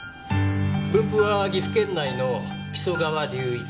分布は岐阜県内の木曽川流域。